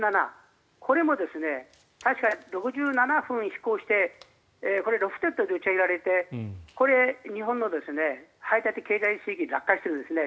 これも確か６７分飛行してロフテッドで打ち上げられて日本の排他的経済水域に落下しているんですね。